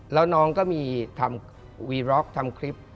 แล้วน้องก็มีทำวีร็อกทำคลิป